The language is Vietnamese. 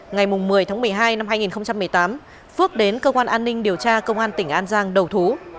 ngày một mươi tháng một mươi hai năm hai nghìn một mươi tám phước đến cơ quan an ninh điều tra công an tỉnh an giang đầu thú